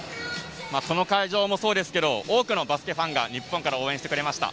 この会場もそうですけど、多くのバスケファンが日本から応援してくれました。